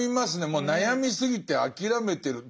もう悩みすぎて諦めてる。